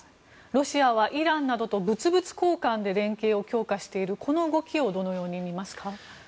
ロシアはイランなどと物々交換で連携を強化しているこの動きをどのように見ますか？